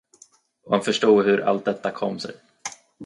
Och han förstod hur allt detta kom sig.